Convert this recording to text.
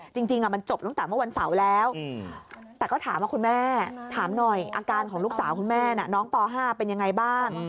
จริงมันจบตั้งแต่เมื่อวันเสาร์แล้วแต่ก็ถามว่าคุณแม่ถามหน่อยอาการของลูกสาวคุณแม่น้องป๕เป็นยังไงบ้าง